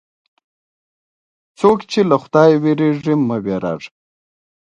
څوک چې له خدایه وېرېږي، مه وېرېږه.